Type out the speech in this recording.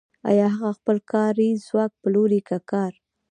آیا هغه خپل کاري ځواک پلوري که کار